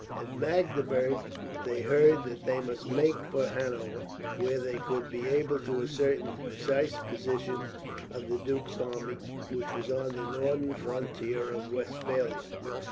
At Magdeburg they heard that they must make for Hanover, where they would be able to ascertain the precise position of the duke's army, which was on the northern frontier of Westphalia.